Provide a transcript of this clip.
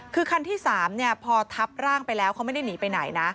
คือคันที่๓พอทับร่างไปแล้วเขาไม่ได้หนีไปไหนนะ